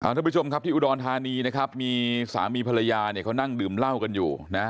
ทุกผู้ชมครับที่อุดรธานีนะครับมีสามีภรรยาเนี่ยเขานั่งดื่มเหล้ากันอยู่นะ